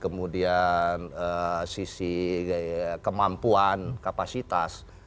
kemudian sisi kemampuan kapasitas